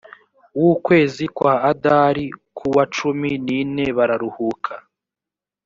w ukwezi kwa adari ku wa cumi n ine bararuhuka